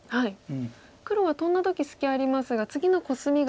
黒はトンだ時隙ありますが次のコスミが。